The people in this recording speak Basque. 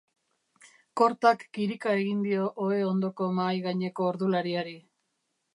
Kortak kirika egin dio ohe ondoko mahai gaineko ordulariari.